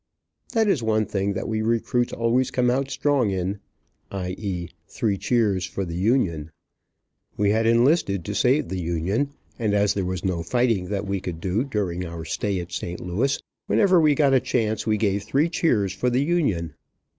That is one thing that we recruits always come out strong in, i. e., three cheers for the Union. We had enlisted to save the Union, and as there was no fighting that we could do, during our stay at St. Louis, whenever we got a chance we gave three cheers for the Union.